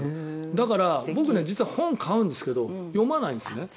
だから、僕実は本を買うんですけど読まないんです。